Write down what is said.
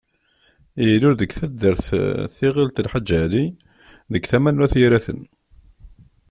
Ilul deg taddart Tiɣilt Lḥaǧ Ali, deg tama n Wat Yiraten.